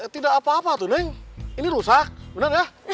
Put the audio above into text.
tidak apa apa tuh neng ini rusak bener gak